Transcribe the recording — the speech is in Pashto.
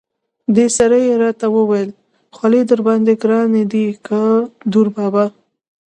دې سره یې را ته وویل: خولي درباندې ګران دی که دوربابا.